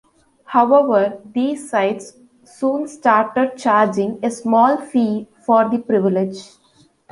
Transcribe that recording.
However, these sites soon started charging a small fee for the privilege.